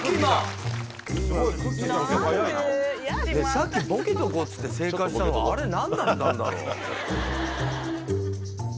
さっきボケとこうっつって正解したのはあれ何だったんだろう。